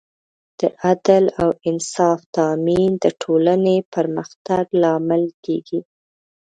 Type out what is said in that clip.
د عدل او انصاف تامین د ټولنې پرمختګ لامل کېږي.